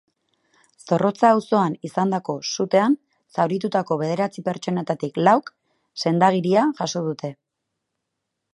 Zorrotza auzoan izandako sutean zauritutako bederatzi pertsonetatik lauk sendagiria jaso dute.